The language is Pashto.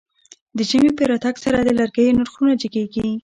د ژمی په راتګ سره د لرګيو نرخونه جګېږي.